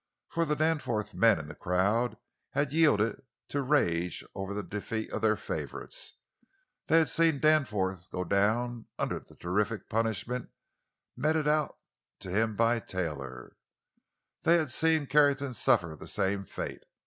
For the Danforth men in the crowd had yielded to rage over the defeat of their favorites. They had seen Danforth go down under the terrific punishment meted out to him by Taylor; they had seen Carrington suffer the same fate.